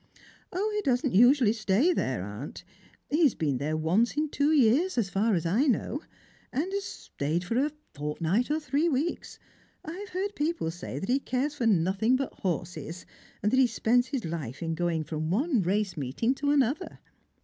"" He doesn't usually stay there, aunt. He has been there once in two years, as far as I know ; and has stayed for a ibrt Strangers and Pilgrims. 101 nignt or ■three weeks. I've heard people say that he cares for nothing but horses, and that he spends his life in going from one race meeting to another."